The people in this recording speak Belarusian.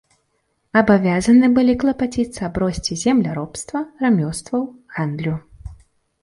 Абавязаны былі клапаціцца аб росце земляробства, рамёстваў, гандлю.